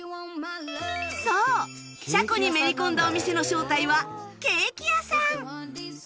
そう車庫にめり込んだお店の正体はケーキ屋さん